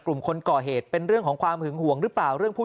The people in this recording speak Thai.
คนก่อเหตุเป็นเรื่องของความหึงห่วงหรือเปล่าเรื่องผู้